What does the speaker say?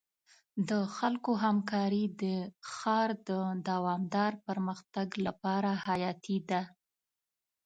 د خلکو همکاري د ښار د دوامدار پرمختګ لپاره حیاتي ده.